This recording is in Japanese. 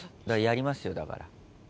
やりますよだから。